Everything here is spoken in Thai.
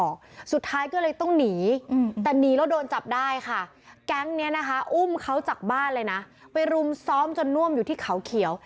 แก๊งก์นี้อุ้มเขาจากบ้านเลยนะไปรุมซ้อมจนน่วมอยู่ที่เขาเขียว